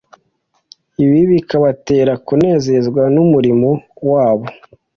ibi bikabatera kunezezwa n’umurimo wabo.